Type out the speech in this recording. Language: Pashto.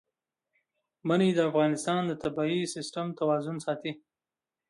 منی د افغانستان د طبعي سیسټم توازن ساتي.